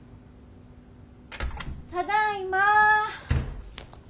ただいま。